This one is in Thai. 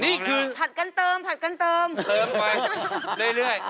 นี่คือเขดกันเติมเติมไปเรื่อย